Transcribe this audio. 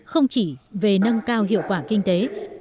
không chỉ về nâng cao hiệu quả kinh tế